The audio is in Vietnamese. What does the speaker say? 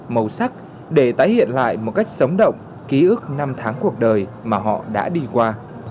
màu sắc để tái hiện lại một cách sống động ký ức năm tháng cuộc đời mà họ đã đi qua